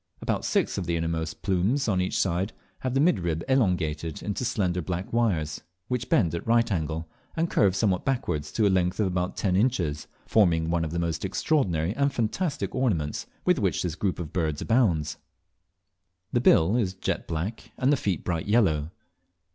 About six of the innermost of these plumes on each side have the midrib elongated into slender black wires, which bend at right angles, and curve somewhat backwards to a length of about ten inches, forming one of those extraordinary and fantastic ornaments with which this group of birds abounds. The bill is jet black, and the feet bright yellow.